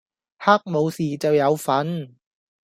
黑武士就有份